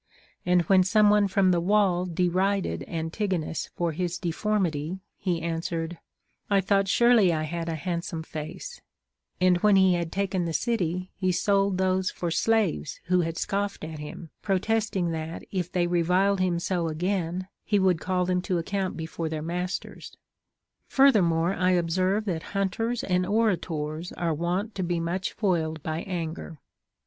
And when some one from the Avail derided Antigonus for his deformity, he answei'ed, I thought surely I had a handsome face : and when he had taken the city, he sold those for slaves who had scoffed at him, protesting that, if they reviled him so again, he would call them to account before their masters. Furthermore, I observe that hunters and orators are wont to be much foiled by anger.